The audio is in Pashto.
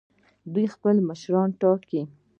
دوی خپل مشران ټاکي.